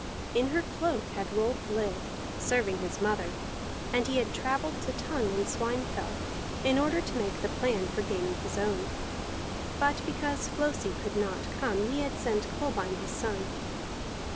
In her cloak had Rolf lived, serving his mother, and he had travelled to Tongue and Swinefell in order to make the plan for gaining his own; but because Flosi could not come he had sent Kolbein his son.